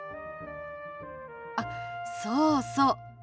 あっそうそう。